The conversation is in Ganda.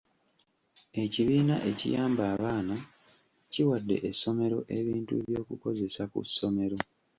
Ekibiina ekiyamba abaana kiwadde essomero ebintu eby'okukozesa ku ssomero.